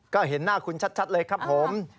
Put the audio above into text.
ก็เห็นหน้าคุณชัดเลยครับผม